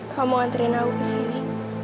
kamu antrian aku ke sini